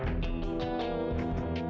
terima kasih mas